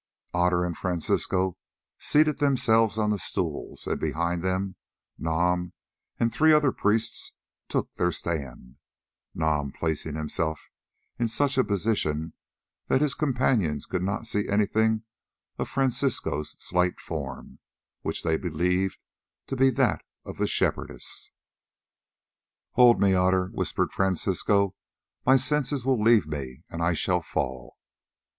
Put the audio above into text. Otter and Francisco seated themselves on the stools, and behind them Nam and three other priests took their stand, Nam placing himself in such a position that his companions could not see anything of Francisco's slight form, which they believed to be that of the Shepherdess. "Hold me, Otter," whispered Francisco. "My senses will leave me, and I shall fall."